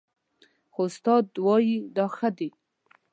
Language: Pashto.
خو استاد وايي دا ښه دي